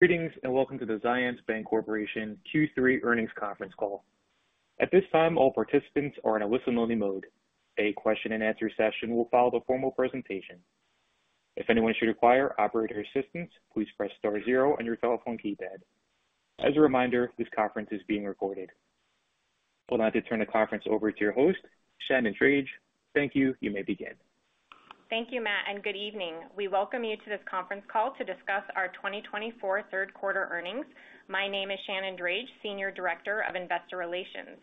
Greetings, and welcome to the Zions Bancorporation Q3 earnings conference call. At this time, all participants are in a listen-only mode. A question-and-answer session will follow the formal presentation. If anyone should require operator assistance, please press star zero on your telephone keypad. As a reminder, this conference is being recorded. I would like to turn the conference over to your host, Shannon Drage. Thank you. You may begin. Thank you, Matt, and good evening. We welcome you to this conference call to discuss our twenty twenty-four third quarter earnings. My name is Shannon Drage, Senior Director of Investor Relations.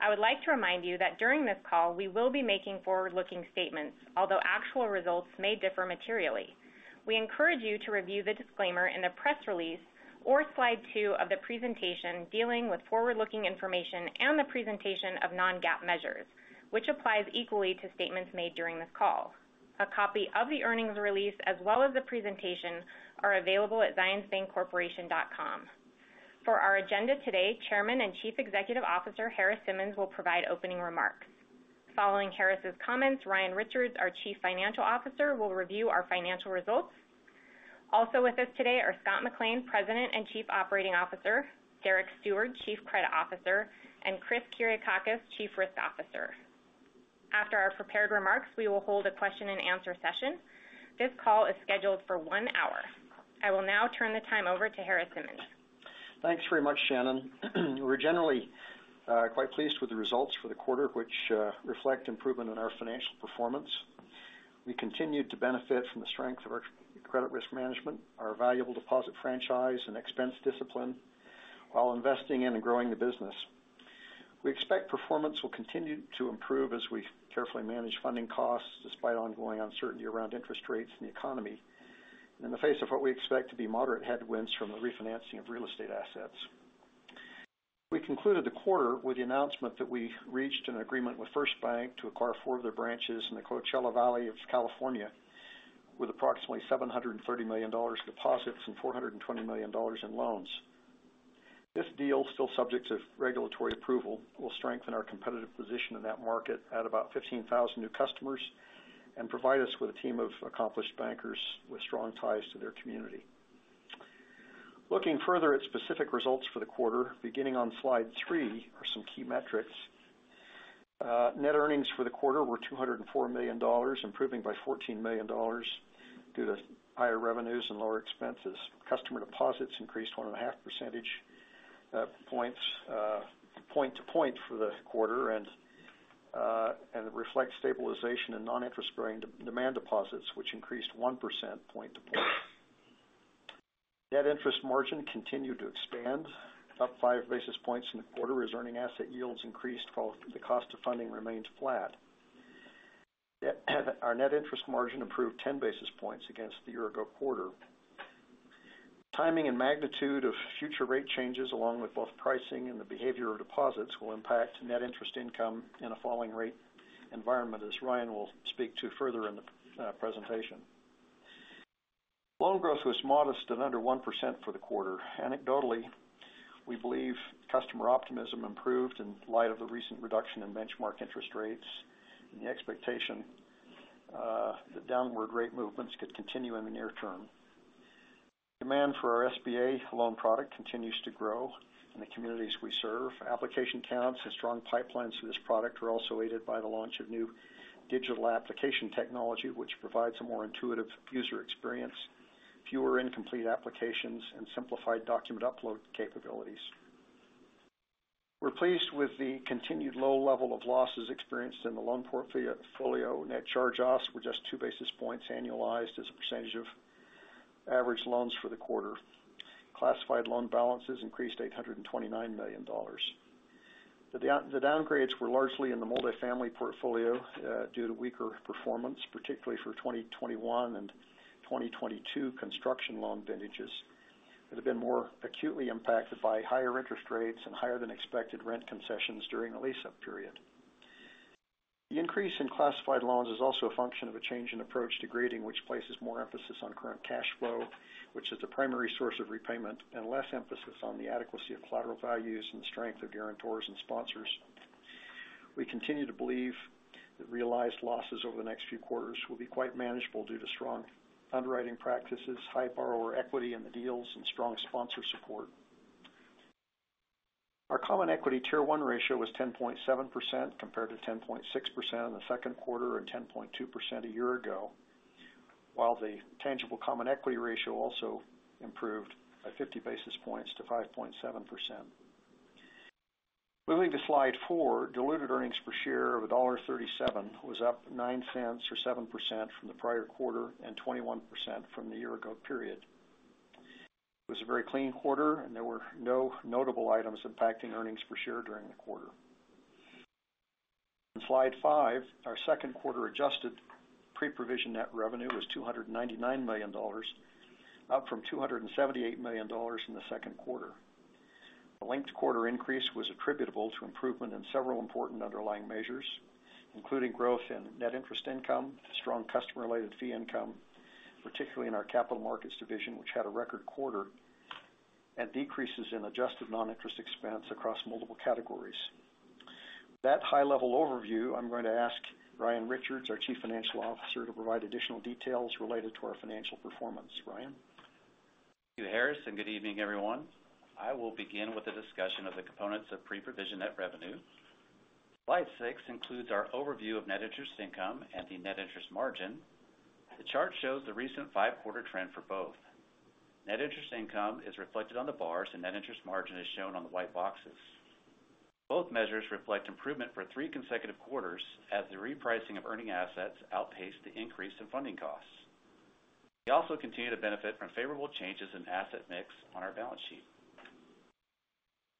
I would like to remind you that during this call, we will be making forward-looking statements, although actual results may differ materially. We encourage you to review the disclaimer in the press release or slide two of the presentation dealing with forward-looking information and the presentation of non-GAAP measures, which applies equally to statements made during this call. A copy of the earnings release, as well as the presentation, are available at zionsbankcorporation.com. For our agenda today, Chairman and Chief Executive Officer Harris Simmons will provide opening remarks. Following Harris's comments, Ryan Richards, our Chief Financial Officer, will review our financial results. Also with us today are Scott McLean, President and Chief Operating Officer, Derek Stewart, Chief Credit Officer, and Chris Kyriakakis, Chief Risk Officer. After our prepared remarks, we will hold a question-and-answer session. This call is scheduled for one hour. I will now turn the time over to Harris Simmons. Thanks very much, Shannon. We're generally quite pleased with the results for the quarter, which reflect improvement in our financial performance. We continued to benefit from the strength of our credit risk management, our valuable deposit franchise, and expense discipline, while investing in and growing the business. We expect performance will continue to improve as we carefully manage funding costs, despite ongoing uncertainty around interest rates and the economy, in the face of what we expect to be moderate headwinds from the refinancing of real estate assets. We concluded the quarter with the announcement that we reached an agreement with FirstBank to acquire four of their branches in the Coachella Valley of California, with approximately $730 million deposits and $420 million in loans. This deal, still subject to regulatory approval, will strengthen our competitive position in that market, add about 15,000 new customers, and provide us with a team of accomplished bankers with strong ties to their community. Looking further at specific results for the quarter, beginning on slide 3 are some key metrics. Net earnings for the quarter were $204 million, improving by $14 million due to higher revenues and lower expenses. Customer deposits increased 1.5 percentage points point to point for the quarter, and it reflects stabilization in non-interest-bearing demand deposits, which increased 1 percentage point point to point. Net interest margin continued to expand, up five basis points in the quarter, as earning asset yields increased while the cost of funding remained flat. Our net interest margin improved 10 basis points against the year-ago quarter. Timing and magnitude of future rate changes, along with both pricing and the behavior of deposits, will impact net interest income in a falling rate environment, as Ryan will speak to further in the presentation. Loan growth was modest and under 1% for the quarter. Anecdotally, we believe customer optimism improved in light of the recent reduction in benchmark interest rates and the expectation that downward rate movements could continue in the near term. Demand for our SBA loan product continues to grow in the communities we serve. Application counts and strong pipelines for this product are also aided by the launch of new digital application technology, which provides a more intuitive user experience, fewer incomplete applications, and simplified document upload capabilities. We're pleased with the continued low level of losses experienced in the loan portfolio. Net charge-offs were just two basis points annualized as a percentage of average loans for the quarter. Classified loan balances increased to $829 million. The downgrades were largely in the multifamily portfolio due to weaker performance, particularly for 2021 and 2022 construction loan vintages, that have been more acutely impacted by higher interest rates and higher than expected rent concessions during the lease-up period. The increase in classified loans is also a function of a change in approach to grading, which places more emphasis on current cash flow, which is the primary source of repayment, and less emphasis on the adequacy of collateral values and the strength of guarantors and sponsors. We continue to believe that realized losses over the next few quarters will be quite manageable due to strong underwriting practices, high borrower equity in the deals, and strong sponsor support. Our Common Equity Tier 1 ratio was 10.7%, compared to 10.6% in the second quarter and 10.2% a year ago, while the tangible common equity ratio also improved by 50 basis points to 5.7%. Moving to slide 4, diluted earnings per share of $1.37 was up $0.09, or 7%, from the prior quarter, and 21% from the year-ago period. It was a very clean quarter, and there were no notable items impacting earnings per share during the quarter. In slide five, our second quarter Adjusted Pre-Provision Net Revenue was $299 million, up from $278 million in the second quarter. The linked quarter increase was attributable to improvement in several important underlying measures, including growth in net interest income, strong customer-related fee income, particularly in our capital markets division, which had a record quarter, and decreases in adjusted non-interest expense across multiple categories. That high-level overview, I'm going to ask Ryan Richards, our Chief Financial Officer, to provide additional details related to our financial performance. Ryan? Thank you, Harris, and good evening, everyone. I will begin with a discussion of the components of pre-provision net revenue. Slide six includes our overview of net interest income and the net interest margin. The chart shows the recent five-quarter trend for both. Net interest income is reflected on the bars, and net interest margin is shown on the white boxes. Both measures reflect improvement for three consecutive quarters as the repricing of earning assets outpaced the increase in funding costs. We also continue to benefit from favorable changes in asset mix on our balance sheet.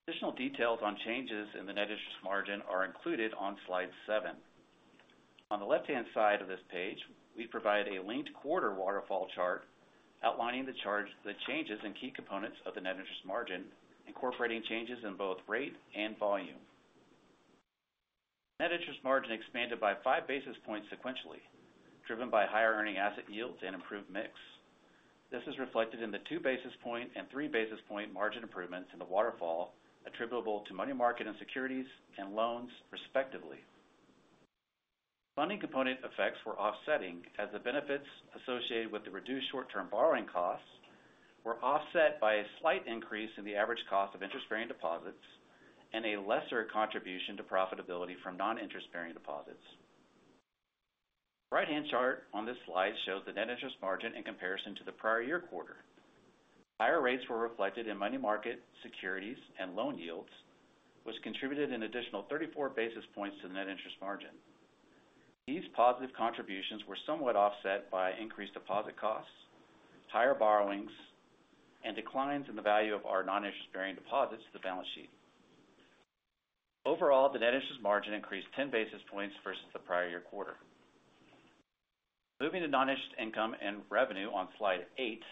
Additional details on changes in the net interest margin are included on Slide seven. On the left-hand side of this page, we provide a linked quarter waterfall chart outlining the changes in key components of the net interest margin, incorporating changes in both rate and volume. Net interest margin expanded by five basis points sequentially, driven by higher earning asset yields and improved mix. This is reflected in the two basis points and three basis points margin improvements in the waterfall attributable to money market securities and loans, respectively. Funding component effects were offsetting as the benefits associated with the reduced short-term borrowing costs were offset by a slight increase in the average cost of interest-bearing deposits and a lesser contribution to profitability from non-interest-bearing deposits. Right-hand chart on this slide shows the net interest margin in comparison to the prior year quarter. Higher rates were reflected in money market securities and loan yields, which contributed an additional 34 basis points to the net interest margin. These positive contributions were somewhat offset by increased deposit costs, higher borrowings, and declines in the value of our non-interest-bearing deposits to the balance sheet. Overall, the net interest margin increased 10 basis points versus the prior year quarter. Moving to non-interest income and revenue on Slide 8,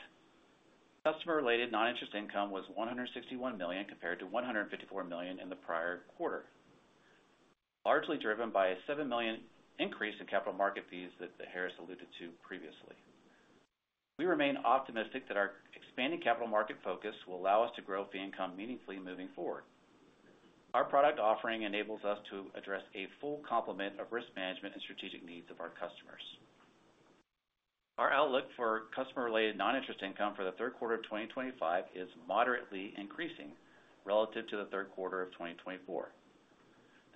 customer-related non-interest income was $161 million, compared to $154 million in the prior quarter, largely driven by a $7 million increase in capital market fees that Harris alluded to previously. We remain optimistic that our expanding capital market focus will allow us to grow fee income meaningfully moving forward. Our product offering enables us to address a full complement of risk management and strategic needs of our customers. Our outlook for customer-related non-interest income for the third quarter of 2025 is moderately increasing relative to the third quarter of 2024.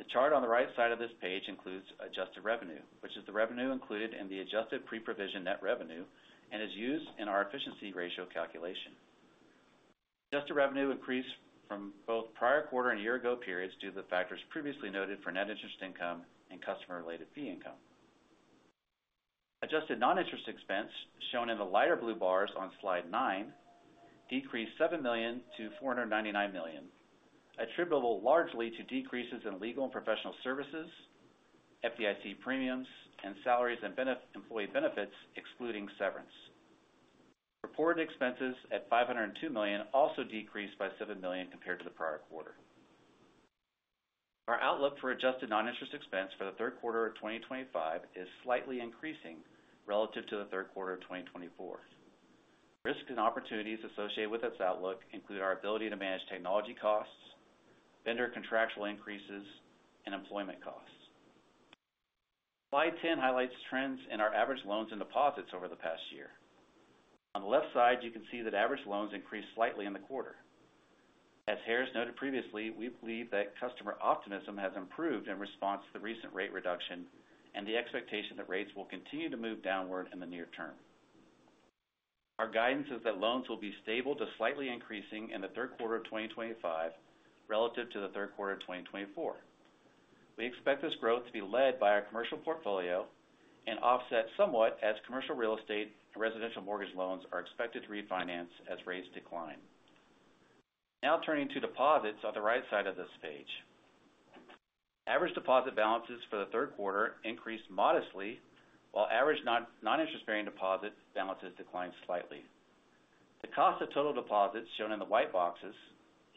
The chart on the right side of this page includes adjusted revenue, which is the revenue included in the adjusted pre-provision net revenue and is used in our efficiency ratio calculation. Adjusted revenue increased from both prior quarter and year ago periods due to the factors previously noted for net interest income and customer-related fee income. Adjusted non-interest expense, shown in the lighter blue bars on Slide nine, decreased $7 million to $499 million, attributable largely to decreases in legal and professional services, FDIC premiums, and salaries and employee benefits, excluding severance. Reported expenses at $502 million also decreased by $7 million compared to the prior quarter. Our outlook for adjusted non-interest expense for the third quarter of 2025 is slightly increasing relative to the third quarter of 2024. Risks and opportunities associated with this outlook include our ability to manage technology costs, vendor contractual increases, and employment costs. Slide 10 highlights trends in our average loans and deposits over the past year. On the left side, you can see that average loans increased slightly in the quarter. As Harris noted previously, we believe that customer optimism has improved in response to the recent rate reduction and the expectation that rates will continue to move downward in the near term. Our guidance is that loans will be stable to slightly increasing in the third quarter of 2025 relative to the third quarter of 2024. We expect this growth to be led by our commercial portfolio and offset somewhat as commercial real estate and residential mortgage loans are expected to refinance as rates decline. Now turning to deposits on the right side of this page. Average deposit balances for the third quarter increased modestly, while average non-interest-bearing deposit balances declined slightly. The cost of total deposits, shown in the white boxes,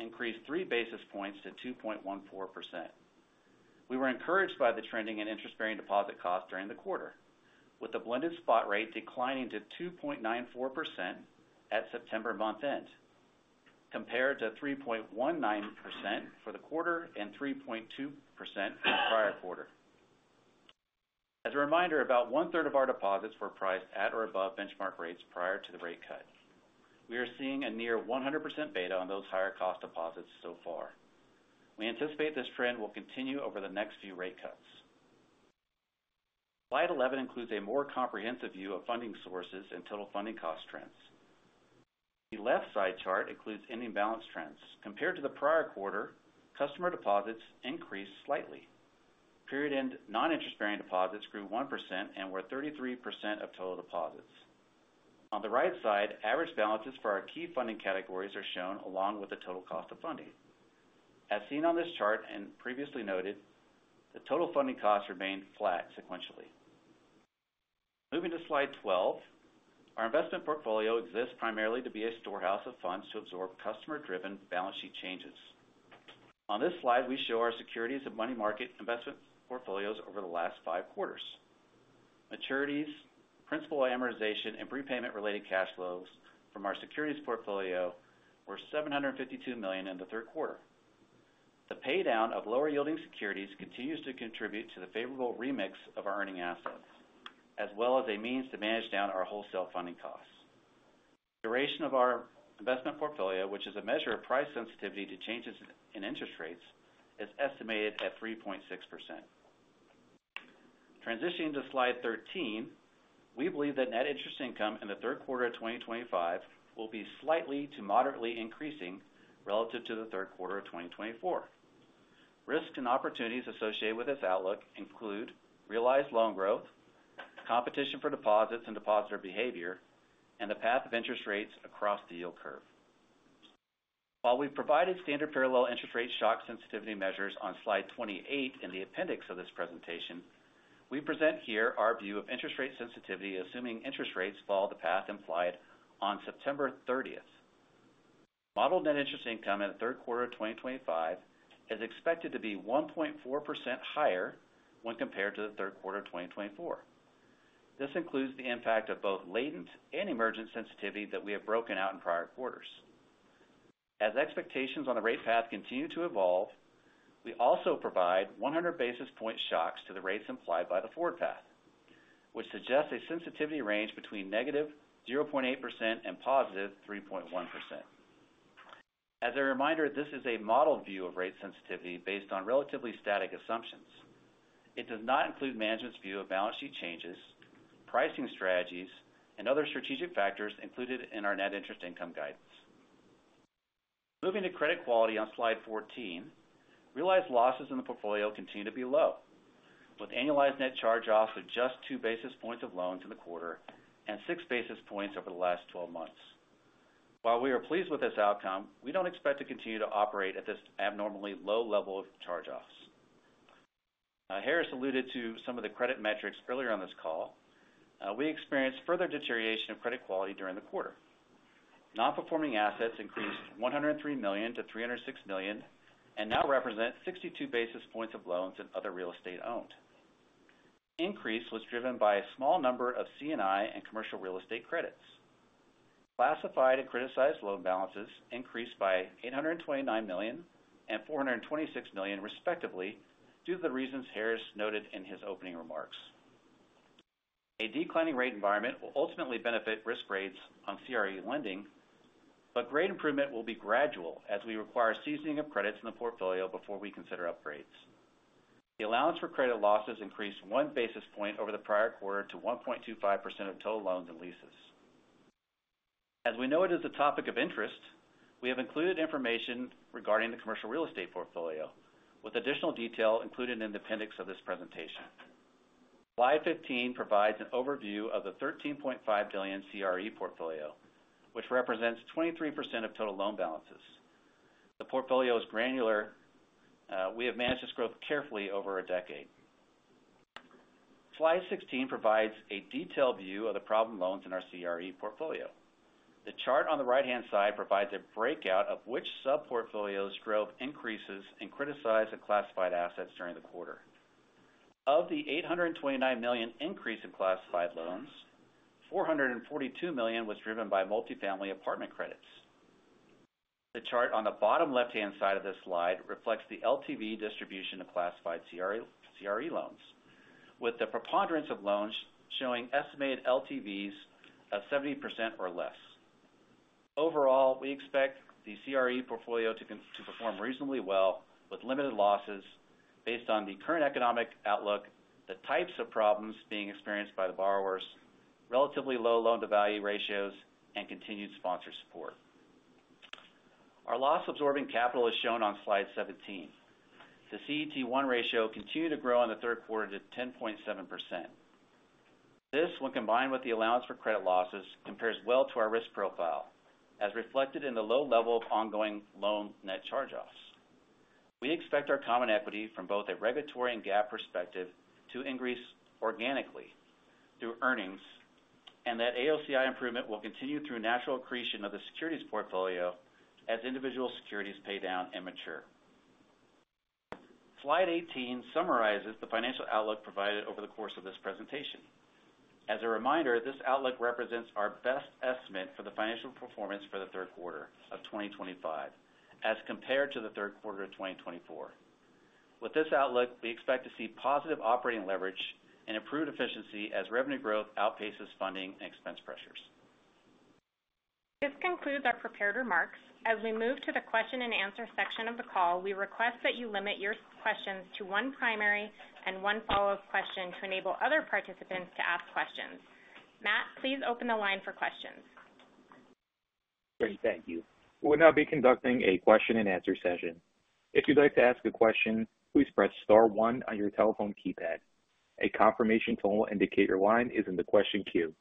increased three basis points to 2.14%. We were encouraged by the trending in interest-bearing deposit costs during the quarter, with the blended spot rate declining to 2.94% at September month-end, compared to 3.19% for the quarter and 3.2% for the prior quarter. As a reminder, about one-third of our deposits were priced at or above benchmark rates prior to the rate cut. We are seeing a near 100% beta on those higher cost deposits so far. We anticipate this trend will continue over the next few rate cuts. Slide 11 includes a more comprehensive view of funding sources and total funding cost trends. The left side chart includes ending balance trends. Compared to the prior quarter, customer deposits increased slightly. Period-end non-interest-bearing deposits grew 1% and were 33% of total deposits. On the right side, average balances for our key funding categories are shown along with the total cost of funding. As seen on this chart and previously noted, the total funding costs remained flat sequentially. Moving to Slide 12, our investment portfolio exists primarily to be a storehouse of funds to absorb customer-driven balance sheet changes. On this slide, we show our securities and money market investment portfolios over the last five quarters. Maturities, principal amortization, and prepayment-related cash flows from our securities portfolio were $752 million in the third quarter. The paydown of lower-yielding securities continues to contribute to the favorable remix of our earning assets, as well as a means to manage down our wholesale funding costs. Duration of our investment portfolio, which is a measure of price sensitivity to changes in interest rates, is estimated at 3.6%. Transitioning to slide 13, we believe that net interest income in the third quarter of 2025 will be slightly to moderately increasing relative to the third quarter of 2024. Risks and opportunities associated with this outlook include realized loan growth, competition for deposits and depositor behavior, and the path of interest rates across the yield curve. While we've provided standard parallel interest rate shock sensitivity measures on slide 28 in the appendix of this presentation, we present here our view of interest rate sensitivity, assuming interest rates follow the path implied on September 30th. Modeled net interest income in the third quarter of 2025 is expected to be 1.4% higher when compared to the third quarter of 2024. This includes the impact of both latent and emergent sensitivity that we have broken out in prior quarters. As expectations on the rate path continue to evolve, we also provide 100 basis point shocks to the rates implied by the forward path, which suggests a sensitivity range between -0.8% and +3.1%. As a reminder, this is a model view of rate sensitivity based on relatively static assumptions. It does not include management's view of balance sheet changes, pricing strategies, and other strategic factors included in our net interest income guidance. Moving to credit quality on slide 14, realized losses in the portfolio continue to be low, with annualized net charge-offs of just two basis points of loans in the quarter and six basis points over the last 12 months. While we are pleased with this outcome, we don't expect to continue to operate at this abnormally low level of charge-offs. Now, Harris alluded to some of the credit metrics earlier on this call. We experienced further deterioration of credit quality during the quarter. Non-performing assets increased $103 million to $306 million, and now represent 62 basis points of loans and other real estate owned. Increase was driven by a small number of C&I and commercial real estate credits. Classified and criticized loan balances increased by $829 million and $426 million, respectively, due to the reasons Harris noted in his opening remarks. A declining rate environment will ultimately benefit risk grades on CRE lending, but grade improvement will be gradual, as we require seasoning of credits in the portfolio before we consider upgrades. The allowance for credit losses increased one basis point over the prior quarter to 1.25% of total loans and leases. As we know it is a topic of interest, we have included information regarding the commercial real estate portfolio, with additional detail included in the appendix of this presentation. Slide 15 provides an overview of the $13.5 billion CRE portfolio, which represents 23% of total loan balances. The portfolio is granular. We have managed this growth carefully over a decade. Slide 16 provides a detailed view of the problem loans in our CRE portfolio. The chart on the right-hand side provides a breakout of which sub-portfolios drove increases in criticized and classified assets during the quarter. Of the $829 million increase in classified loans, $442 million was driven by multifamily apartment credits. The chart on the bottom left-hand side of this slide reflects the LTV distribution of classified CRE loans, with the preponderance of loans showing estimated LTVs of 70% or less. Overall, we expect the CRE portfolio to continue to perform reasonably well with limited losses based on the current economic outlook, the types of problems being experienced by the borrowers, relatively low loan-to-value ratios, and continued sponsor support. Our loss-absorbing capital is shown on slide 17. The CET1 ratio continued to grow in the third quarter to 10.7%. This, when combined with the allowance for credit losses, compares well to our risk profile, as reflected in the low level of ongoing loan net charge-offs. We expect our common equity from both a regulatory and GAAP perspective to increase organically through earnings, and that AOCI improvement will continue through natural accretion of the securities portfolio as individual securities pay down and mature. Slide 18 summarizes the financial outlook provided over the course of this presentation. As a reminder, this outlook represents our best estimate for the financial performance for the third quarter of 2025 as compared to the third quarter of 2024. With this outlook, we expect to see positive operating leverage and improved efficiency as revenue growth outpaces funding and expense pressures. This concludes our prepared remarks. As we move to the question and answer section of the call, we request that you limit your questions to one primary and one follow-up question to enable other participants to ask questions. Matt, please open the line for questions. Thank you. We'll now be conducting a question-and-answer session. If you'd like to ask a question, please press star one on your telephone keypad. A confirmation tone will indicate your line is in the question queue.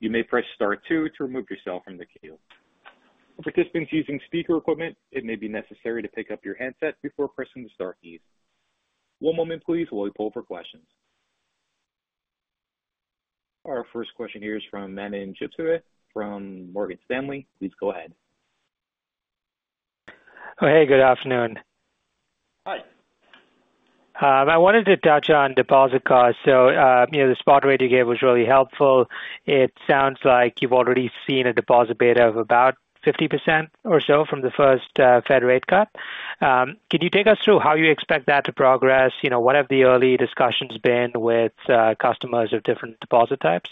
You may press star two to remove yourself from the queue. For participants using speaker equipment, it may be necessary to pick up your handset before pressing the star keys. One moment please, while we poll for questions. Our first question here is from Manan Gosalia from Morgan Stanley. Please go ahead. Oh, hey, good afternoon. Hi. I wanted to touch on deposit costs. So, you know, the spot rate you gave was really helpful. It sounds like you've already seen a deposit beta of about 50% or so from the first, Fed rate cut. Could you take us through how you expect that to progress? You know, what have the early discussions been with customers of different deposit types?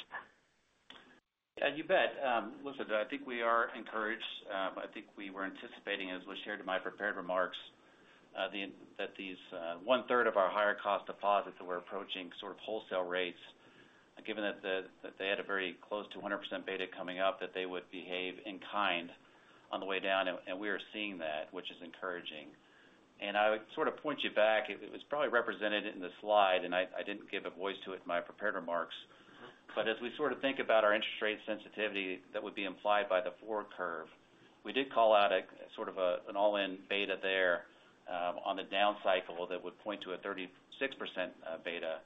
Yeah, you bet. Listen, I think we are encouraged. I think we were anticipating, as was shared in my prepared remarks, that these, one-third of our higher cost deposits that were approaching sort of wholesale rates, given that they had a very close to 100% beta coming up, that they would behave in kind on the way down, and we are seeing that, which is encouraging. And I would sort of point you back. It was probably represented in the slide, and I didn't give a voice to it in my prepared remarks. But as we sort of think about our interest rate sensitivity that would be implied by the forward curve, we did call out a, sort of a, an all-in beta there, on the down cycle that would point to a 36%, beta.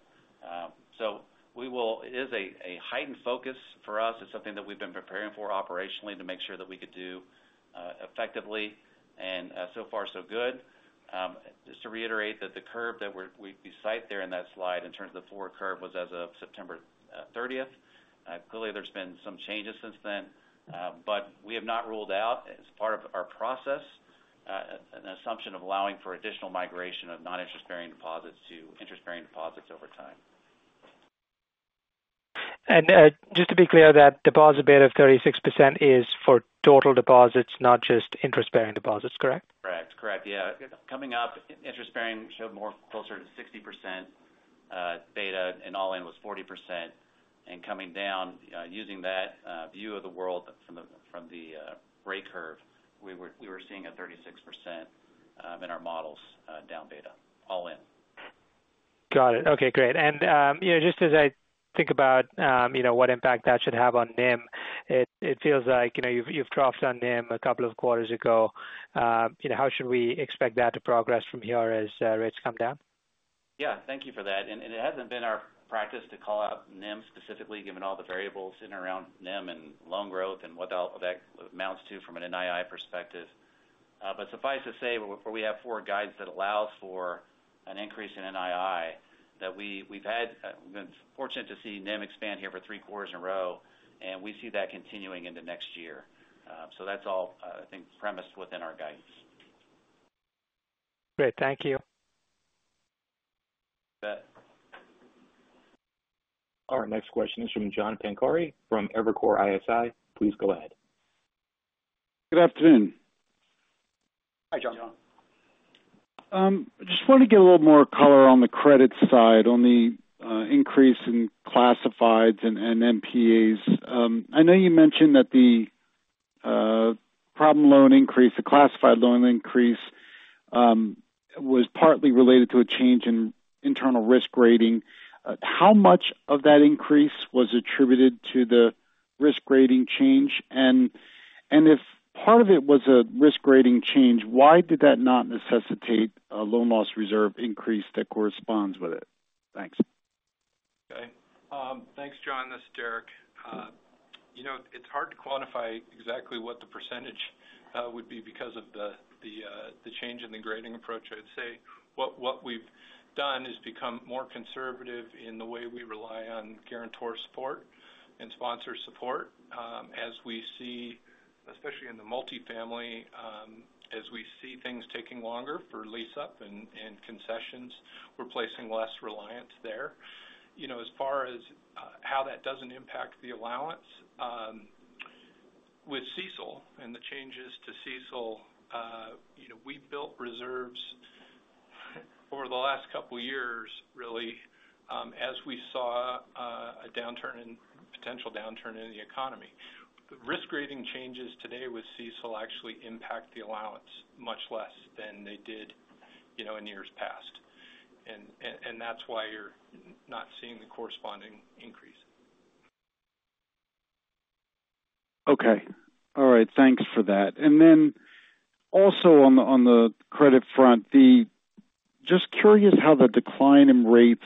It is a heightened focus for us. It's something that we've been preparing for operationally to make sure that we could do effectively, and so far, so good. Just to reiterate that the curve that we cite there in that slide in terms of the forward curve was as of September thirtieth. Clearly, there's been some changes since then, but we have not ruled out, as part of our process, an assumption of allowing for additional migration of non-interest-bearing deposits to interest-bearing deposits over time. Just to be clear, that deposit beta of 36% is for total deposits, not just interest-bearing deposits, correct? Right. Correct, yeah. Coming up, interest-bearing showed more closer to 60% beta, and all-in was 40%. And coming down, using that view of the world from the rate curve, we were seeing a 36% in our models, down beta, all in. Got it. Okay, great. And, you know, just as I think about, you know, what impact that should have on NIM, it feels like, you know, you've dropped on NIM a couple of quarters ago. You know, how should we expect that to progress from here as rates come down? Yeah, thank you for that. And it hasn't been our practice to call out NIM specifically, given all the variables in around NIM and loan growth and what all of that amounts to from an NII perspective. But suffice to say, we have forward guidance that allows for an increase in NII, that we've had been fortunate to see NIM expand here for three quarters in a row, and we see that continuing into next year. So that's all, I think, premised within our guidance. Great. Thank you. You bet. Our next question is from John Pancari from Evercore ISI. Please go ahead. Good afternoon. Hi, John. Just wanted to get a little more color on the credit side, on the increase in classifieds and NPAs. I know you mentioned that the problem loan increase, the classified loan increase, was partly related to a change in internal risk rating. How much of that increase was attributed to the risk rating change? And if part of it was a risk rating change, why did that not necessitate a loan loss reserve increase that corresponds with it? Thanks. Okay. Thanks, John. This is Derek. You know, it's hard to quantify exactly what the percentage would be because of the change in the grading approach. I'd say what we've done is become more conservative in the way we rely on guarantor support and sponsor support. As we see, especially in the multifamily, as we see things taking longer for lease-up and concessions, we're placing less reliance there. You know, as far as how that doesn't impact the allowance, with CECL and the changes to CECL, you know, we built reserves over the last couple of years, really, as we saw a potential downturn in the economy. Risk rating changes today with CECL actually impact the allowance much less than they did, you know, in years past. That's why you're not seeing the corresponding increase. Okay. All right. Thanks for that. And then also on the credit front, just curious how the decline in rates,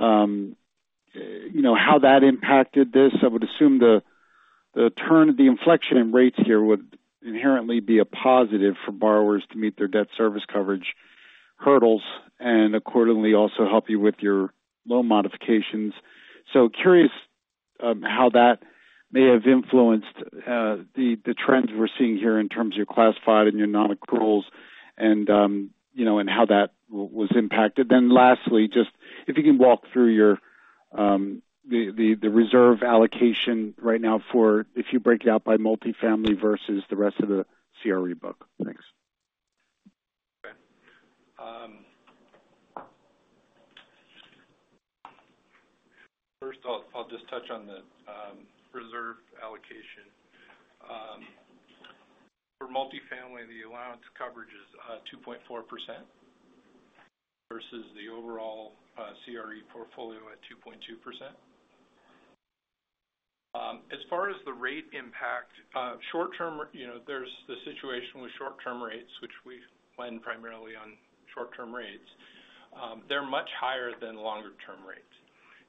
you know, how that impacted this. I would assume the turn, the inflection in rates here would inherently be a positive for borrowers to meet their debt service coverage hurdles and accordingly, also help you with your loan modifications. So curious, how that may have influenced the trends we're seeing here in terms of your classified and your non-accruals and, you know, and how that was impacted. Then lastly, just if you can walk through your the reserve allocation right now for if you break it out by multifamily versus the rest of the CRE book. Thanks. Okay. First, I'll just touch on the reserve allocation. For multifamily, the allowance coverage is 2.4% versus the overall CRE portfolio at 2.2%. As far as the rate impact, short term, you know, there's the situation with short-term rates, which we lend primarily on short-term rates. They're much higher than longer-term rates.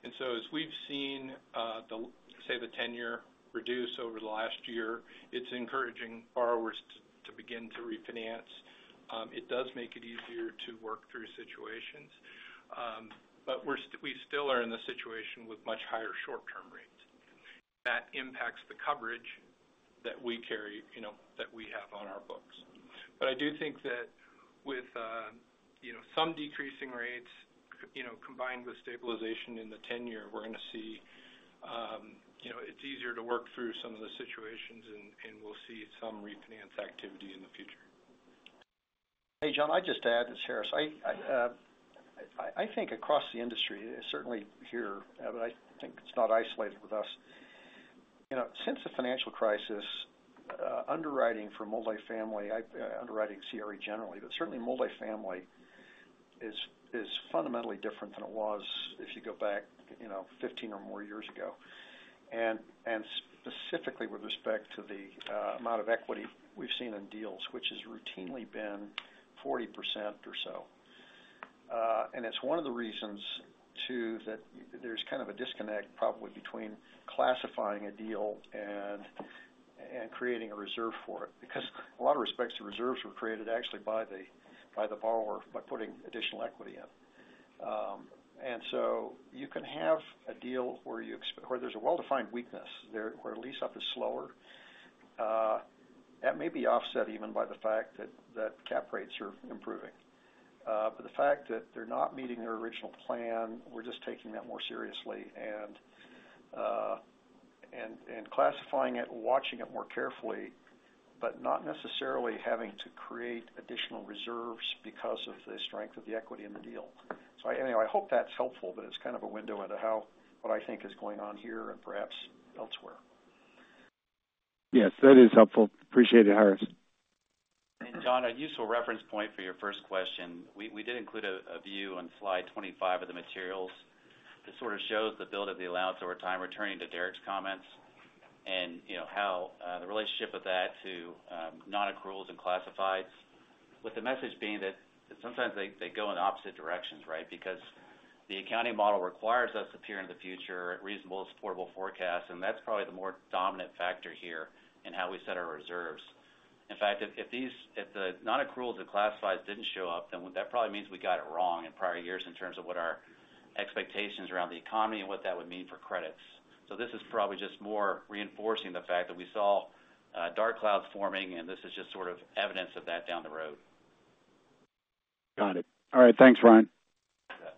And so as we've seen, the ten-year reduce over the last year, it's encouraging borrowers to begin to refinance. It does make it easier to work through situations. But we still are in the situation with much higher short-term rates. That impacts the coverage that we carry, you know, that we have on our books. But I do think that with, you know, some decreasing rates, you know, combined with stabilization in the tenure, we're going to see, you know, it's easier to work through some of the situations, and we'll see some refinance activity in the future. Hey, John, I'd just add, it's Harris. I think across the industry, certainly here, but I think it's not isolated with us. You know, since the financial crisis, underwriting for multifamily, underwriting CRE generally, but certainly multifamily is fundamentally different than it was if you go back, you know, 15 or more years ago. And specifically with respect to the amount of equity we've seen in deals, which has routinely been 40% or so. And it's one of the reasons, too, that there's kind of a disconnect, probably between classifying a deal and creating a reserve for it. Because a lot of respects, the reserves were created actually by the borrower, by putting additional equity in. And so you can have a deal where there's a well-defined weakness, where lease-up is slower. That may be offset even by the fact that cap rates are improving. But the fact that they're not meeting their original plan, we're just taking that more seriously and classifying it, watching it more carefully, but not necessarily having to create additional reserves because of the strength of the equity in the deal. Anyway, I hope that's helpful, but it's kind of a window into how what I think is going on here and perhaps elsewhere. Yes, that is helpful. Appreciate it, Harris. John, a useful reference point for your first question. We did include a view on slide 25 of the materials. This sort of shows the build of the allowance over time, returning to Derek's comments, and you know, how the relationship of that to nonaccruals and classifieds. With the message being that sometimes they go in opposite directions, right? Because the accounting model requires us to peer into the future at reasonable and supportable forecasts, and that's probably the more dominant factor here in how we set our reserves. In fact, if these nonaccruals and classifieds didn't show up, then that probably means we got it wrong in prior years in terms of what our expectations around the economy and what that would mean for credits. So this is probably just more reinforcing the fact that we saw dark clouds forming, and this is just sort of evidence of that down the road. Got it. All right. Thanks, Ryan. You bet.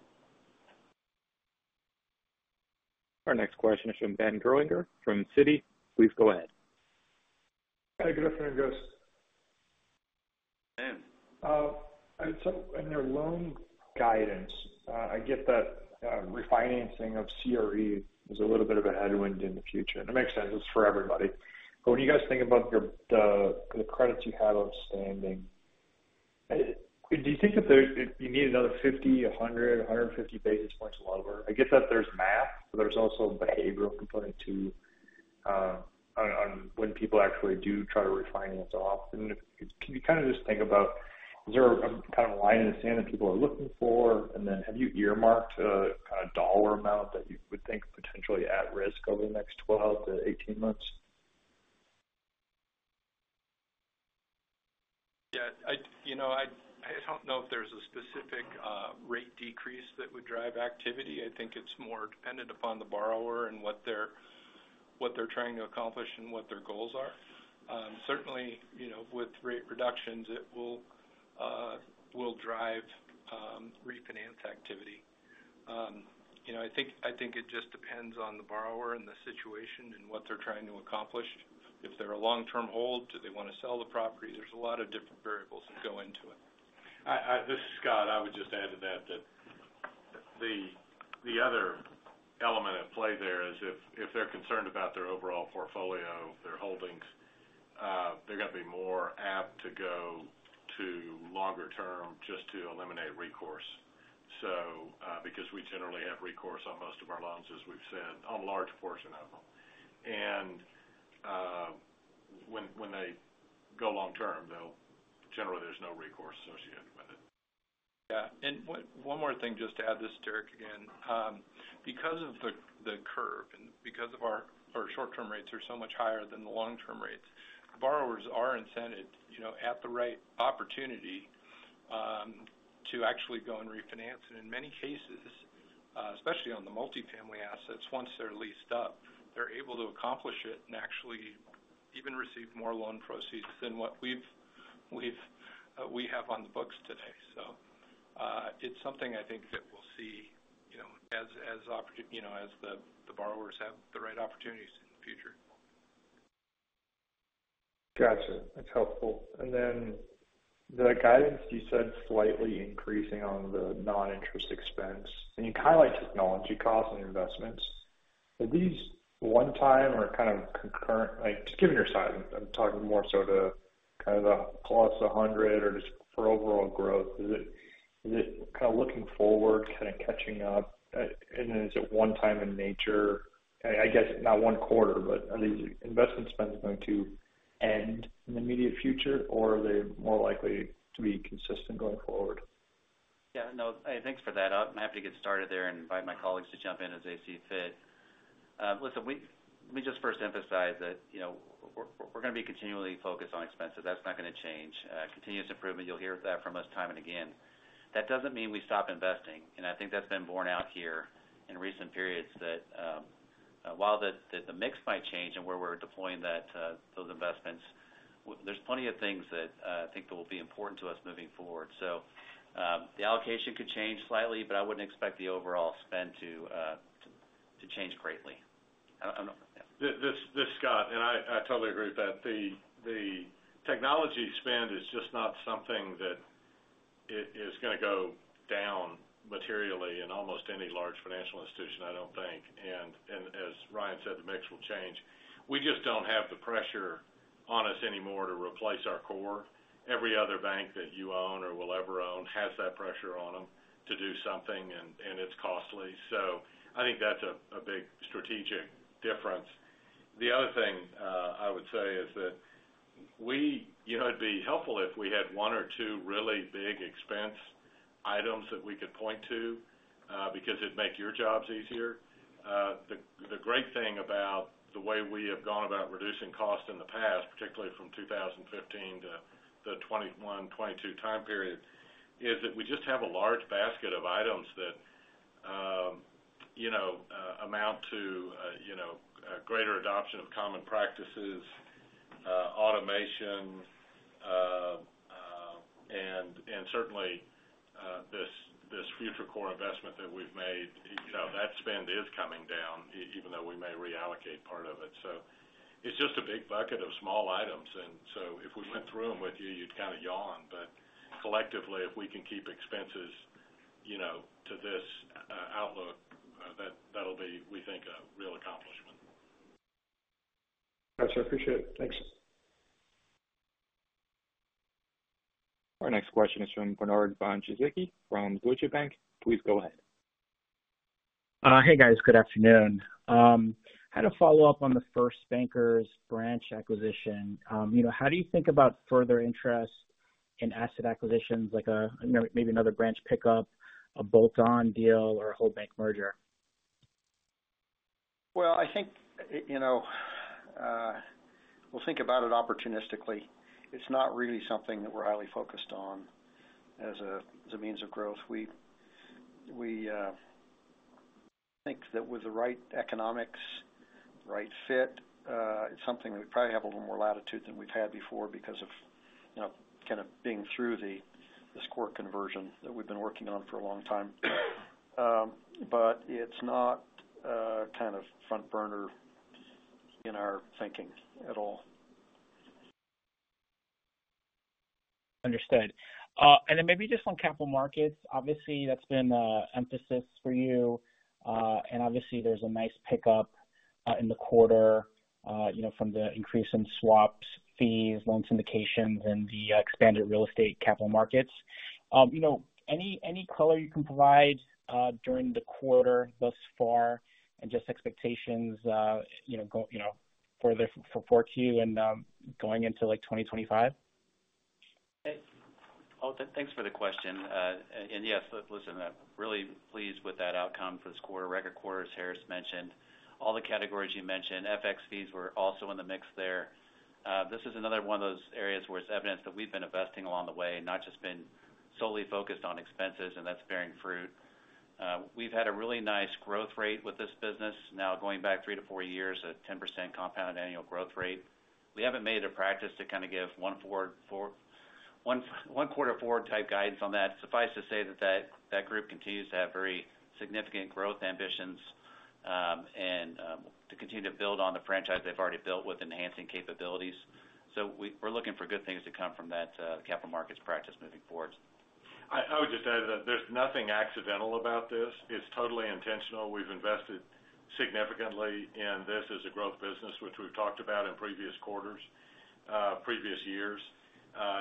Our next question is from Ben Gerlinger, from Citi. Please go ahead. Hi, good afternoon, guys. Ben. In your loan guidance, I get that refinancing of CRE is a little bit of a headwind in the future, and it makes sense. It's for everybody. But when you guys think about the credits you have outstanding, do you think that there you need another fifty, a hundred, a hundred and fifty basis points lower? I get that there's math, but there's also a behavioral component to on when people actually do try to refinance off. And if can you kind of just think about, is there a kind of line in the sand that people are looking for? And then, have you earmarked a kind of dollar amount that you would think potentially at risk over the next twelve to eighteen months? Yeah, you know, I don't know if there's a specific rate decrease that would drive activity. I think it's more dependent upon the borrower and what they're trying to accomplish and what their goals are. Certainly, you know, with rate reductions, it will drive refinance activity. You know, I think it just depends on the borrower and the situation and what they're trying to accomplish. If they're a long-term hold, do they want to sell the property? There's a lot of different variables that go into it. This is Scott. I would just add to that, that the other element at play there is if they're concerned about their overall portfolio, their holdings, they're going to be more apt to go to longer term just to eliminate recourse. So, because we generally have recourse on most of our loans, as we've said, on a large portion of them. And, when they go long term, they'll generally, there's no recourse associated with it. Yeah. And one more thing, just to add this, Derek, again. Because of the curve and because of our short-term rates are so much higher than the long-term rates, borrowers are incented, you know, at the right opportunity, to actually go and refinance. And in many cases, especially on the multifamily assets, once they're leased up, they're able to accomplish it and actually even receive more loan proceeds than what we have on the books today. So, it's something I think that we'll see, you know, as the borrowers have the right opportunities in the future. Gotcha. That's helpful. And then the guidance, you said, slightly increasing on the non-interest expense, and you highlight technology costs and investments. Are these one time or kind of concurrent? Like, just given your side, I'm talking more so to kind of the plus a hundred or just for overall growth. Is it kind of looking forward, kind of catching up? And then is it one time in nature? I guess not one quarter, but are these investment spend is going to end in the immediate future, or are they more likely to be consistent going forward? Yeah, no, thanks for that. I'm happy to get started there and invite my colleagues to jump in as they see fit. Listen, let me just first emphasize that, you know, we're gonna be continually focused on expenses. That's not gonna change. Continuous improvement, you'll hear that from us time and again. That doesn't mean we stop investing, and I think that's been borne out here in recent periods, that while the mix might change and where we're deploying that those investments, there's plenty of things that I think that will be important to us moving forward. So, the allocation could change slightly, but I wouldn't expect the overall spend to change greatly. I don't know. This, Scott, and I totally agree with that. The technology spend is just not something that is gonna go down materially in almost any large financial institution, I don't think. And as Ryan said, the mix will change. We just don't have the pressure on us anymore to replace our core. Every other bank that you own or will ever own has that pressure on them to do something, and it's costly. So I think that's a big strategic difference. The other thing I would say is that we, you know, it'd be helpful if we had one or two really big expense items that we could point to, because it'd make your jobs easier. The great thing about the way we have gone about reducing costs in the past, particularly from 2015 to the 2021, 2022 time period, is that we just have a large basket of items that amount to a greater adoption of common practices, automation, and certainly this future core investment that we've made, so that spend is coming down, even though we may reallocate part of it, so it's just a big bucket of small items, and so if we went through them with you, you'd kind of yawn, but collectively, if we can keep expenses, you know, to this outlook, that, that'll be, we think, a real accomplishment. Got you. I appreciate it. Thanks. Our next question is from Bernard Von Gizycki from Deutsche Bank. Please go ahead. Hey, guys. Good afternoon. I had a follow-up on the FirstBank branch acquisition. You know, how do you think about further interest in asset acquisitions, like, you know, maybe another branch pickup, a bolt-on deal, or a whole bank merger? I think you know we'll think about it opportunistically. It's not really something that we're highly focused on as a means of growth. We think that with the right economics, right fit, it's something we probably have a little more latitude than we've had before because of you know kind of being through this core conversion that we've been working on for a long time. But it's not kind of front burner in our thinking at all. Understood. And then maybe just on capital markets, obviously, that's been emphasis for you. And obviously, there's a nice pickup in the quarter, you know, from the increase in swaps, fees, loan syndications, and the expanded real estate capital markets. You know, any color you can provide during the quarter thus far, and just expectations, you know, go further for 4Q and going into, like, twenty twenty-five? Hey. Oh, thanks for the question. And, yes, listen, I'm really pleased with that outcome for this quarter. Record quarter, as Harris mentioned, all the categories you mentioned, FX fees were also in the mix there. This is another one of those areas where it's evident that we've been investing along the way, and not just been solely focused on expenses, and that's bearing fruit. We've had a really nice growth rate with this business now going back three to four years, a 10% compound annual growth rate. We haven't made it a practice to kind of give one quarter forward type guidance on that. Suffice to say that group continues to have very significant growth ambitions, and to continue to build on the franchise they've already built with enhancing capabilities. So we're looking for good things to come from that capital markets practice moving forward. I would just add that there's nothing accidental about this. It's totally intentional. We've invested significantly in this as a growth business, which we've talked about in previous quarters, previous years.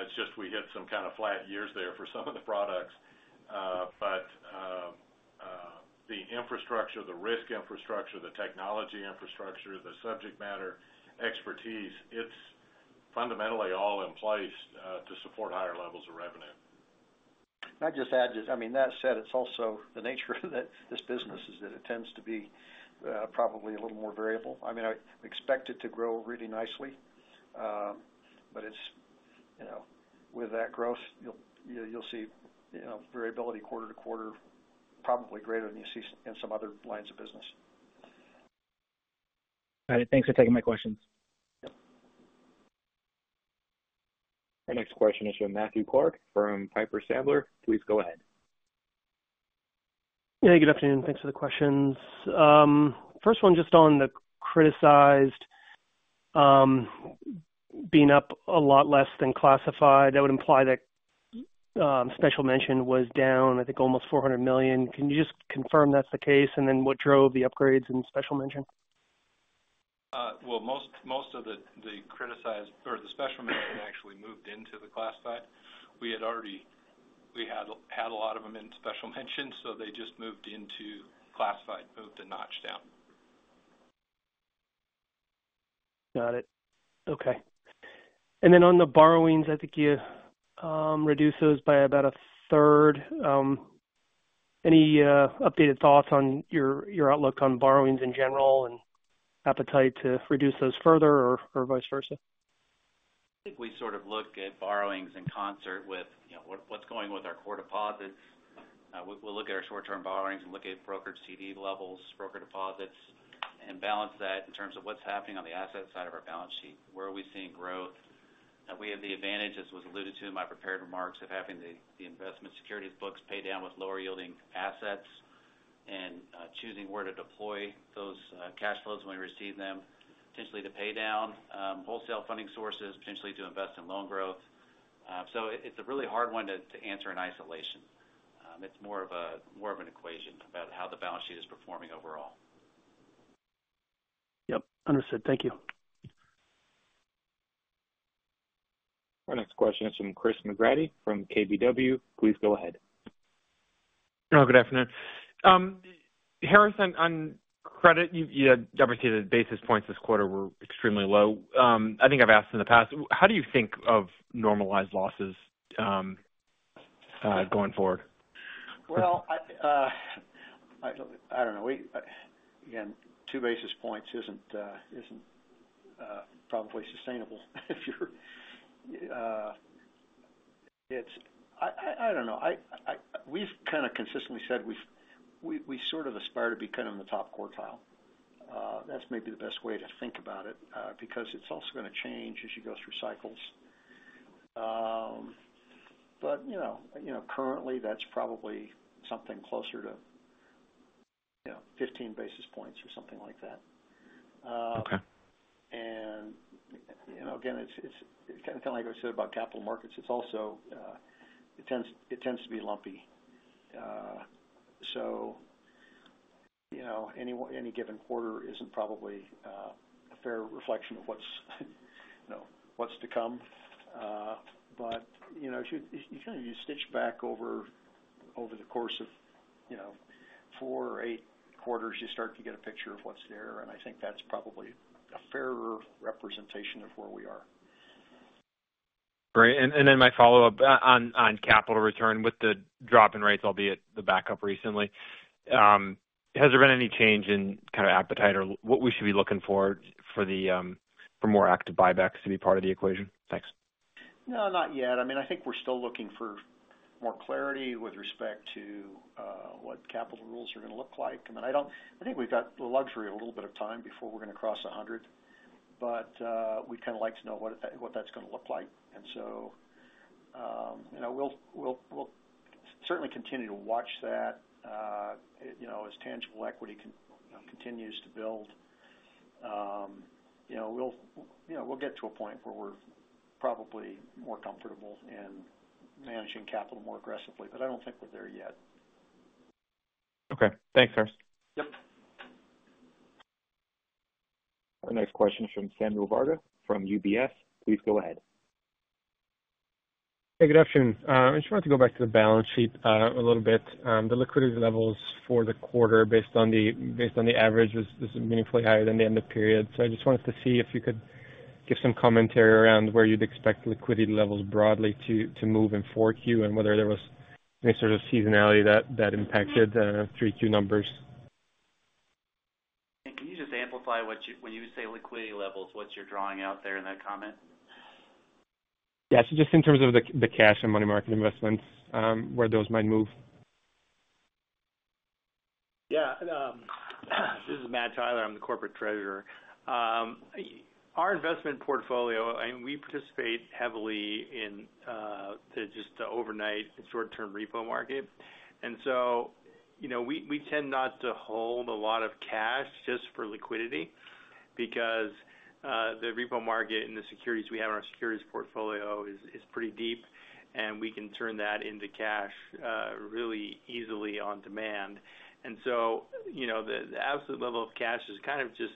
It's just we hit some kind of flat years there for some of the products. But the infrastructure, the risk infrastructure, the technology infrastructure, the subject matter expertise, it's fundamentally all in place to support higher levels of revenue. Can I just add, just, I mean, that said, it's also the nature of that this business is that it tends to be, probably a little more variable. I mean, I expect it to grow really nicely, but it's, you know, with that growth, you'll, you'll see, you know, variability quarter to quarter, probably greater than you see in some other lines of business. Got it. Thanks for taking my questions. Our next question is from Matthew Clark from Piper Sandler. Please go ahead. Yeah, good afternoon. Thanks for the questions. First one, just on the criticized, being up a lot less than classified, that would imply that special mention was down, I think, almost $400 million. Can you just confirm that's the case, and then what drove the upgrades in special mention? Well, most of the criticized or the special mention-... moved into the classified. We had already, we had had a lot of them in special mention, so they just moved into classified, moved a notch down. Got it. Okay. And then on the borrowings, I think you reduced those by about a third. Any updated thoughts on your outlook on borrowings in general and appetite to reduce those further or vice versa? I think we sort of look at borrowings in concert with, you know, what's going with our core deposits. We'll look at our short-term borrowings and look at brokered CD levels, broker deposits, and balance that in terms of what's happening on the asset side of our balance sheet. Where are we seeing growth? We have the advantage, as was alluded to in my prepared remarks, of having the investment securities books pay down with lower yielding assets and choosing where to deploy those cash flows when we receive them, potentially to pay down wholesale funding sources, potentially to invest in loan growth. So it's a really hard one to answer in isolation. It's more of an equation about how the balance sheet is performing overall. Yep, understood. Thank you. Our next question is from Chris McGratty from KBW. Please go ahead. Oh, good afternoon. Harris, on credit, you had demonstrated basis points this quarter were extremely low. I think I've asked in the past, how do you think of normalized losses, going forward? I don't know. Again, two basis points isn't probably sustainable if you're... It's. I don't know. We've kind of consistently said we sort of aspire to be kind of in the top quartile. That's maybe the best way to think about it, because it's also going to change as you go through cycles. But, you know, currently, that's probably something closer to, you know, fifteen basis points or something like that. Okay. You know, again, it's kind of like I said about capital markets. It's also, it tends to be lumpy. So, you know, any given quarter isn't probably a fair reflection of what's to come. You know, if you kind of stitch back over the course of, you know, four or eight quarters, you start to get a picture of what's there, and I think that's probably a fairer representation of where we are. Great. And then my follow-up on capital return with the drop in rates, albeit the backup recently. Has there been any change in kind of appetite or what we should be looking for for more active buybacks to be part of the equation? Thanks. No, not yet. I mean, I think we're still looking for more clarity with respect to what capital rules are going to look like. I mean, I think we've got the luxury of a little bit of time before we're going to cross a hundred, but we'd kind of like to know what that's going to look like. And so, you know, we'll certainly continue to watch that. You know, as tangible equity continues to build, you know, we'll get to a point where we're probably more comfortable in managing capital more aggressively, but I don't think we're there yet. Okay. Thanks, Harris. Yep. Our next question is from Samuel Varga, from UBS. Please go ahead. Hey, good afternoon. I just wanted to go back to the balance sheet a little bit. The liquidity levels for the quarter, based on the average, was meaningfully higher than the end of period. So I just wanted to see if you could give some commentary around where you'd expect liquidity levels broadly to move in 4Q, and whether there was any sort of seasonality that impacted 3Q numbers. And can you just amplify what you... When you say liquidity levels, what you're drawing out there in that comment? Yeah. So just in terms of the cash and money market investments, where those might move. Yeah. This is Matt Tyler, I'm the corporate treasurer. Our investment portfolio, and we participate heavily in just the overnight and short-term repo market. And so, you know, we tend not to hold a lot of cash just for liquidity because the repo market and the securities we have in our securities portfolio is pretty deep, and we can turn that into cash really easily on demand. And so, you know, the absolute level of cash is kind of just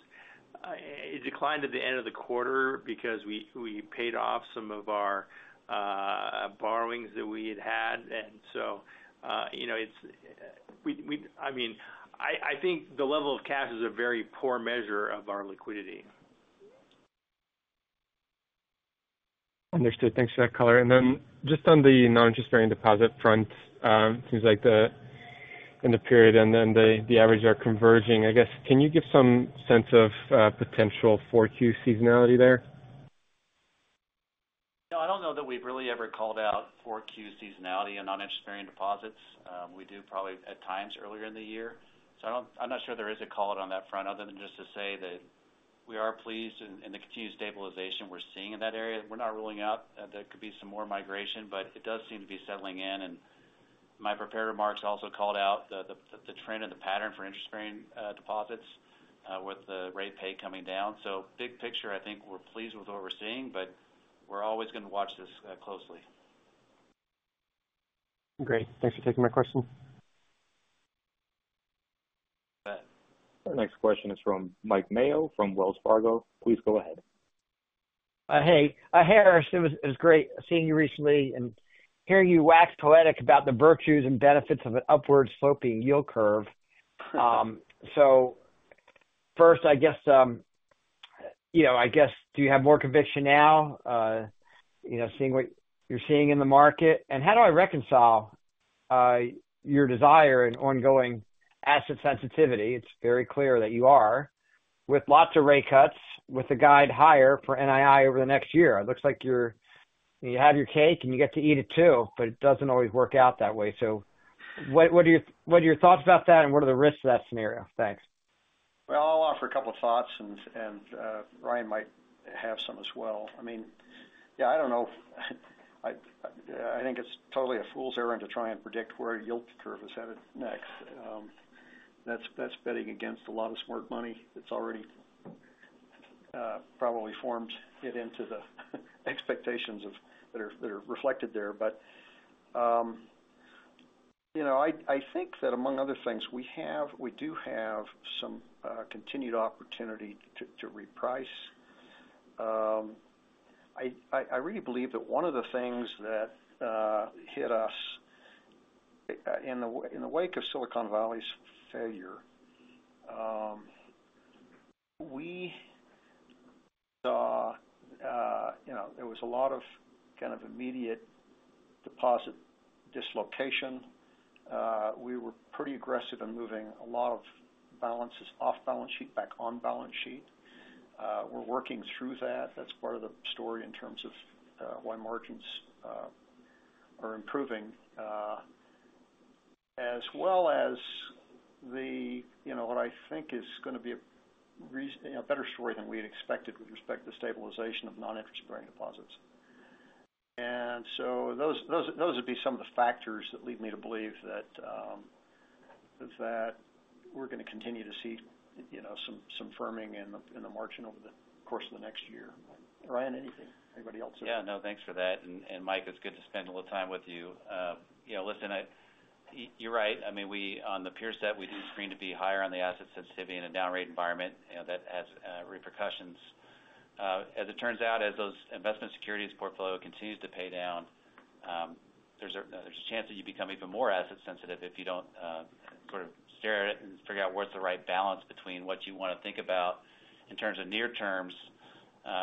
it declined at the end of the quarter because we paid off some of our borrowings that we had had. And so, you know, it's we -- I mean, I think the level of cash is a very poor measure of our liquidity. Understood. Thanks for that color. And then just on the non-interest-bearing deposit front, seems like in the period and then the averages are converging. I guess, can you give some sense of potential four Q seasonality there? No, I don't know that we've really ever called out Q4 seasonality on non-interest-bearing deposits. We do probably at times earlier in the year. So I don't. I'm not sure there is a call-out on that front other than just to say that we are pleased in the continued stabilization we're seeing in that area. We're not ruling out that there could be some more migration, but it does seem to be settling in. And my prepared remarks also called out the trend and the pattern for interest-bearing deposits with the rate paid coming down. So big picture, I think we're pleased with what we're seeing, but we're always going to watch this closely. Great. Thanks for taking my question. ... Our next question is from Mike Mayo from Wells Fargo. Please go ahead. Hey, Harris, it was great seeing you recently and hearing you wax poetic about the virtues and benefits of an upward-sloping yield curve. So first, I guess, you know, I guess, do you have more conviction now, you know, seeing what you're seeing in the market? And how do I reconcile your desire and ongoing asset sensitivity? It's very clear that you are with lots of rate cuts, with a guide higher for NII over the next year. It looks like you have your cake, and you get to eat it, too, but it doesn't always work out that way. So what are your thoughts about that, and what are the risks of that scenario? Thanks. I'll offer a couple of thoughts, and Ryan might have some as well. I mean, yeah, I don't know. I think it's totally a fool's errand to try and predict where a yield curve is headed next. That's betting against a lot of smart money that's already probably formed it into the expectations that are reflected there. But you know, I think that among other things, we do have some continued opportunity to reprice. I really believe that one of the things that hit us in the wake of Silicon Valley's failure, we saw you know, there was a lot of kind of immediate deposit dislocation. We were pretty aggressive in moving a lot of balances off balance sheet back on balance sheet. We're working through that. That's part of the story in terms of why margins are improving. As well as the, you know, what I think is going to be a better story than we had expected with respect to stabilization of non-interest-bearing deposits. So those would be some of the factors that lead me to believe that we're going to continue to see, you know, some firming in the margin over the course of the next year. Ryan, anything? Anybody else? Yeah, no, thanks for that. And Mike, it's good to spend a little time with you. You know, listen, I-- you're right. I mean, we on the peer set, we do screen to be higher on the asset sensitivity in a down rate environment, you know, that has repercussions. As it turns out, as those investment securities portfolio continues to pay down, there's a chance that you become even more asset sensitive if you don't sort of stare at it and figure out what's the right balance between what you want to think about in terms of near terms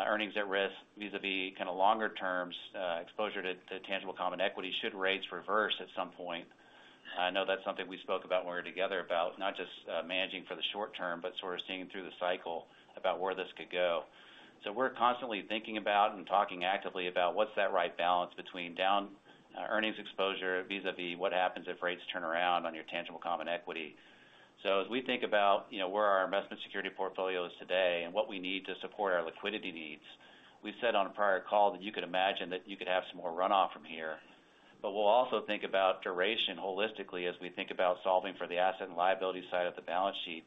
earnings at risk, vis-a-vis kind of longer terms exposure to tangible common equity should rates reverse at some point. I know that's something we spoke about when we were together, about not just managing for the short term, but sort of seeing through the cycle about where this could go. So we're constantly thinking about and talking actively about what's that right balance between down earnings exposure, vis-a-vis what happens if rates turn around on your tangible common equity. So as we think about, you know, where our investment security portfolio is today and what we need to support our liquidity needs, we said on a prior call that you could imagine that you could have some more runoff from here. But we'll also think about duration holistically as we think about solving for the asset and liability side of the balance sheet,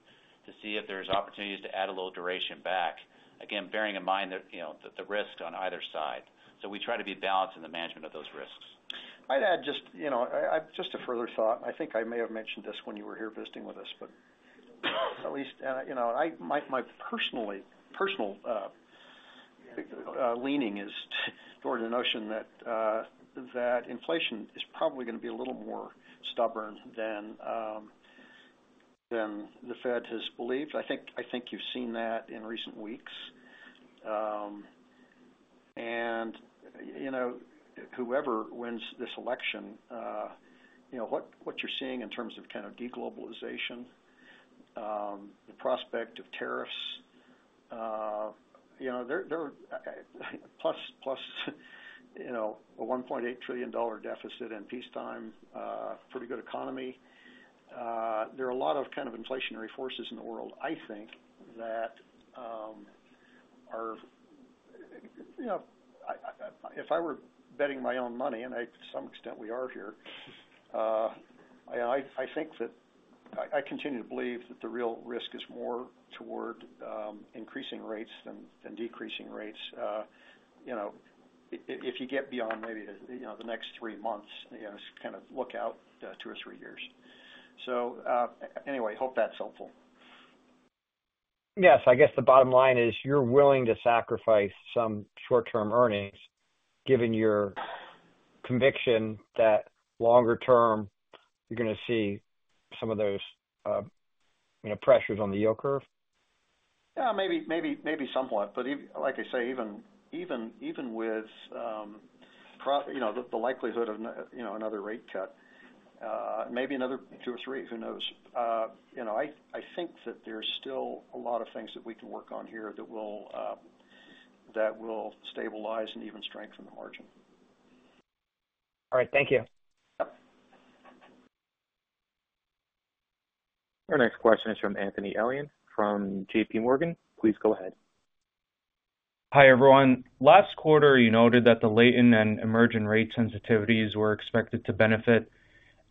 to see if there's opportunities to add a little duration back. Again, bearing in mind that, you know, the risk on either side. So we try to be balanced in the management of those risks. I'd add just, you know, just a further thought. I think I may have mentioned this when you were here visiting with us, but at least, you know, my personal leaning is toward the notion that that inflation is probably going to be a little more stubborn than the Fed has believed. I think you've seen that in recent weeks. And, you know, whoever wins this election, you know, what you're seeing in terms of kind of de-globalization, the prospect of tariffs, you know, there. Plus, you know, a $1.8 trillion deficit in peacetime, pretty good economy. There are a lot of kind of inflationary forces in the world, I think that are, you know, if I were betting my own money, and I, to some extent, we are here, I think that I continue to believe that the real risk is more toward increasing rates than decreasing rates. You know, if you get beyond maybe, you know, the next three months, you know, kind of look out two or three years. So, anyway, hope that's helpful. Yes, I guess the bottom line is, you're willing to sacrifice some short-term earnings, given your conviction that longer term, you're going to see some of those, you know, pressures on the yield curve? Yeah, maybe somewhat. But like I say, even with, you know, the likelihood of a, you know, another rate cut, maybe another two or three, who knows? You know, I think that there's still a lot of things that we can work on here that will stabilize and even strengthen the margin. All right. Thank you. Yep. Our next question is from Anthony Elian from J.P. Morgan. Please go ahead. Hi, everyone. Last quarter, you noted that the latent and emergent rate sensitivities were expected to benefit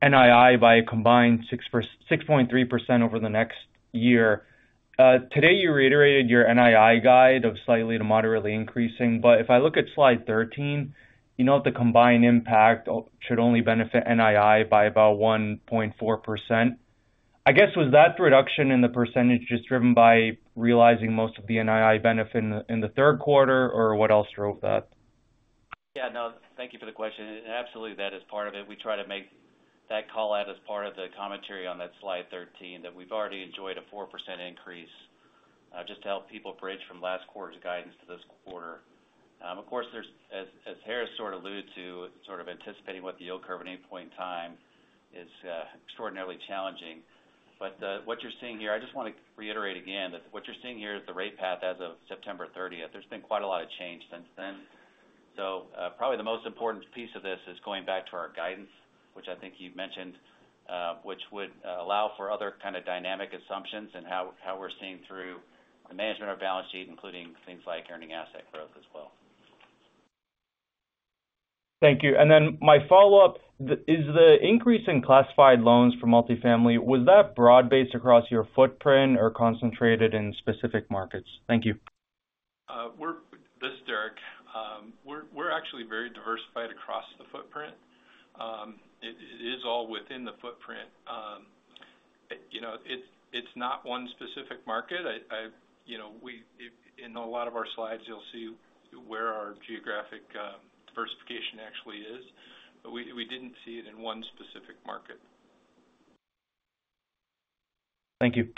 NII by a combined 6.3 over the next year. Today, you reiterated your NII guide of slightly to moderately increasing, but if I look at slide 13, you know, the combined impact should only benefit NII by about 1.4%. I guess, was that reduction in the percentage just driven by realizing most of the NII benefit in the third quarter, or what else drove that? Yeah, no, thank you for the question. Absolutely, that is part of it. We try to make that call out as part of the commentary on that slide 13, that we've already enjoyed a 4% increase, just to help people bridge from last quarter's guidance to this quarter. Of course, there's as Harris sort of alluded to, sort of anticipating what the yield curve at any point in time is extraordinarily challenging, but what you're seeing here, I just want to reiterate again, that what you're seeing here is the rate path as of September thirtieth. There's been quite a lot of change since then. Probably the most important piece of this is going back to our guidance, which I think you've mentioned, which would allow for other kind of dynamic assumptions and how we're seeing through the management of our balance sheet, including things like earning asset growth as well. Thank you. And then my follow-up: Is the increase in classified loans for multifamily broad-based across your footprint or concentrated in specific markets? Thank you. This is Derek. We're actually very diversified across the footprint. It is all within the footprint. You know, it's not one specific market. You know, we, in a lot of our slides, you'll see where our geographic diversification actually is, but we didn't see it in one specific market. Thank you.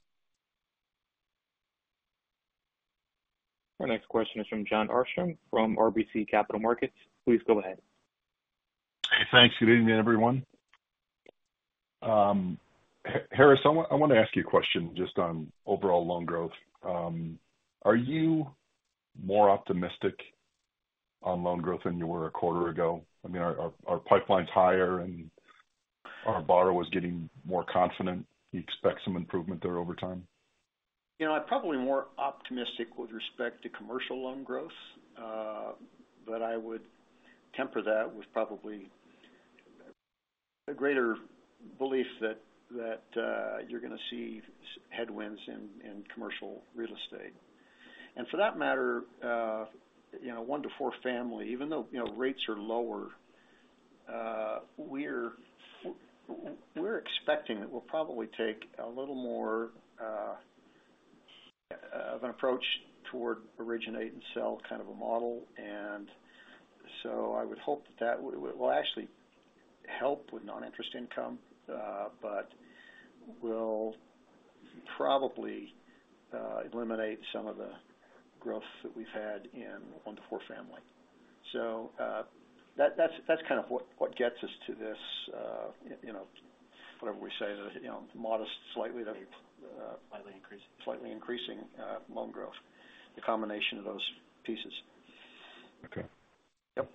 Our next question is from Jon Arfstrom from RBC Capital Markets. Please go ahead. Thanks. Good evening, everyone. Harris, I want to ask you a question just on overall loan growth. Are you more optimistic on loan growth than you were a quarter ago? I mean, are pipelines higher, and are borrowers getting more confident? You expect some improvement there over time? You know, I'm probably more optimistic with respect to commercial loan growth. But I would temper that with probably a greater belief that you're going to see headwinds in commercial real estate. And for that matter, you know, one to four family, even though, you know, rates are lower, we're expecting that we'll probably take a little more of an approach toward originate and sell kind of a model. And so I would hope that that will actually help with non-interest income, but will probably eliminate some of the growth that we've had in one to four family. So, that's kind of what gets us to this, you know, whatever we say, the, you know, modest, slightly- Slightly increasing. Slightly increasing loan growth, the combination of those pieces. Okay. Yep.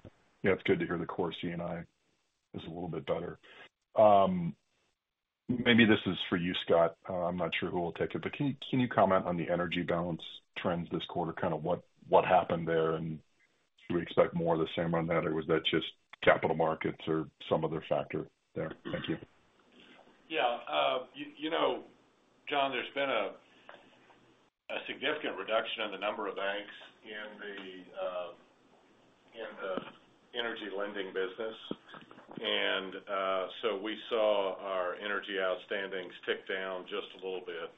Yeah, it's good to hear the core C&I is a little bit better. Maybe this is for you, Scott. I'm not sure who will take it, but can you comment on the energy balance trends this quarter? Kind of what happened there, and do we expect more of the same on that, or was that just capital markets or some other factor there? Thank you. Yeah, you know, John, there's been a significant reduction in the number of banks in the energy lending business. And so we saw our energy outstandings tick down just a little bit.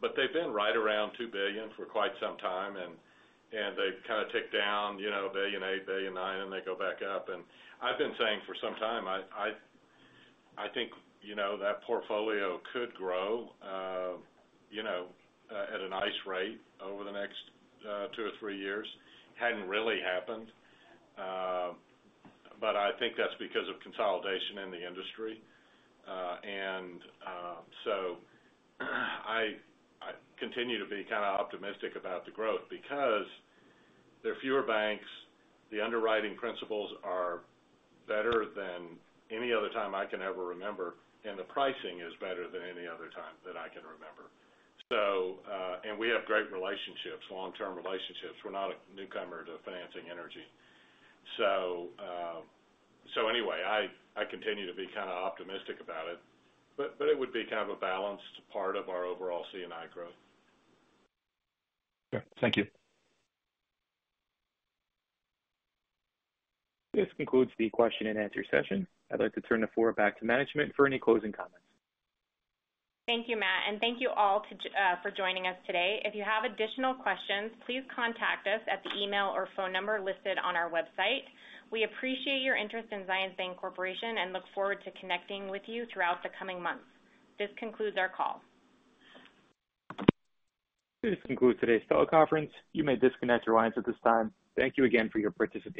But they've been right around $2 billion for quite some time, and they've kind of ticked down, you know, $1.8 billion, $1.9 billion, and they go back up. And I've been saying for some time, I think, you know, that portfolio could grow, you know, at a nice rate over the next two or three years. Hadn't really happened, but I think that's because of consolidation in the industry. I continue to be kind of optimistic about the growth because there are fewer banks, the underwriting principles are better than any other time I can ever remember, and the pricing is better than any other time that I can remember. We have great relationships, long-term relationships. We're not a newcomer to financing energy. Anyway, I continue to be kind of optimistic about it, but it would be kind of a balanced part of our overall C&I growth. Okay, thank you. This concludes the question and answer session. I'd like to turn the floor back to management for any closing comments. Thank you, Matt, and thank you all for joining us today. If you have additional questions, please contact us at the email or phone number listed on our website. We appreciate your interest in Zions Bancorporation, and look forward to connecting with you throughout the coming months. This concludes our call. This concludes today's teleconference. You may disconnect your lines at this time. Thank you again for your participation.